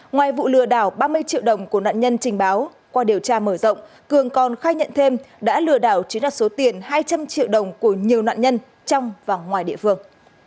ngoài vụ lừa đảo ba mươi triệu đồng của nạn nhân trình báo qua điều tra mở rộng cường còn khai nhận thêm đã lừa đảo chiếm đặt số tiền hai trăm linh triệu đồng của nhiều nạn nhân trong và ngoài địa phương